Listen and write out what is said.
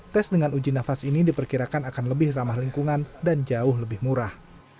tes dengan uji nafas ini diperkirakan akan lebih ramah lingkungan dan jauh lebih murah